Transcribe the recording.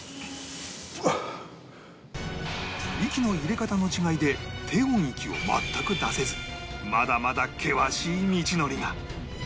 息の入れ方の違いで低音域を全く出せずまだまだ険しい道のりが